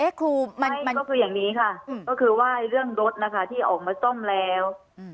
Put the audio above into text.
ครูมันก็คืออย่างนี้ค่ะก็คือว่าเรื่องรถนะคะที่ออกมาซ่อมแล้ว